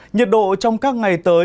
nhiệt độ trong các ngày tới